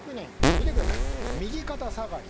見てください、右肩下がり。